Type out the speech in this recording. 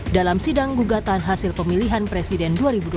dalam sidang gugatan hasil pemilihan presiden dua ribu dua puluh